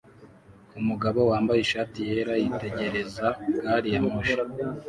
Umugabo wambaye ishati yera yitegereza gari ya moshi